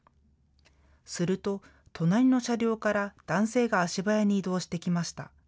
すると、隣の車両から男性が足早に移動してきました。